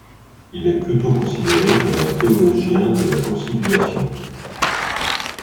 Il est plutôt considéré comme un théologien de la conciliation.